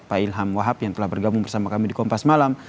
pak ilham wahab yang telah bergabung bersama kami di kompas malam